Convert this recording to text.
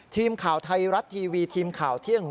ทีมข่าวไทยรัฐทีวีทีมข่าวเที่ยง